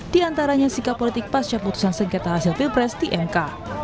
diantaranya sikap politik pasca putusan segitah hasil pilpres di mk